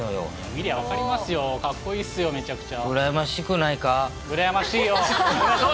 見りゃ分かりますよ、かっこいいっすよ、めちゃくちゃ。